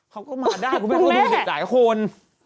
เขาก็มาได้เพราะแม่ก็ดูเด็กหลายคน